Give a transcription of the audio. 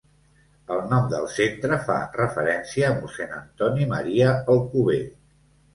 El nom del centre fa referència a Mossèn Antoni Maria Alcover.